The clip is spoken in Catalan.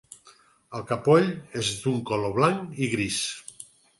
El capoll és d'un color blanc a gris.